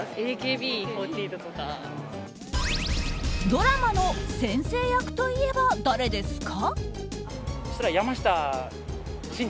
ドラマの先生役と言えば誰ですか？